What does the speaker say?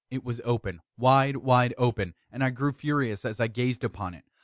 It was open wide, wide open and I grew furious as I gazed upon it.